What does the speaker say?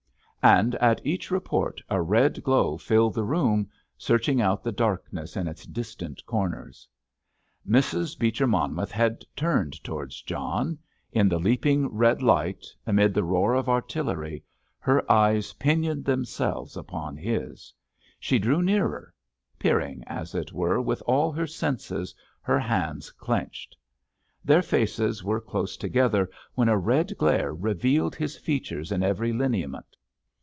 And at each report a red glow filled the room, searching out the darkness in its most distant corners. Mrs. Beecher Monmouth had turned towards John—in the leaping red light, amid the roar of artillery, her eyes pinioned themselves upon his. She drew nearer—peering, as it were, with all her senses, her hands clenched. Their faces were close together when a red glare revealed his features in every lineament.